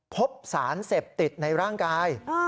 พบสารเสพติดในร่างกาย